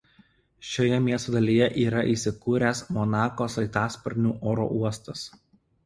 Šioje miesto dalyje yra įsikūręs Monako sraigtasparnių oro uostas.